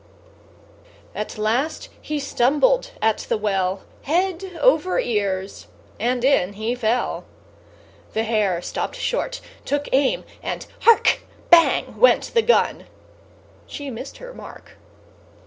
At last he stumbled at the well, Head over ears, and in he fell. The hare stopped short, took aim and, hark! Bang went the gun she missed her mark!